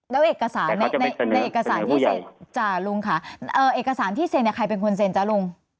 แล้วเอกสารในในในเอกสารที่เซ็นจ่าลุงค่ะเอ่อเอกสารที่เซ็นเนี่ยใครเป็นคนเซ็นจ่าลุง